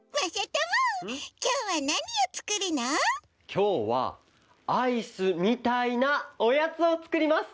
きょうはアイスみたいなおやつをつくります！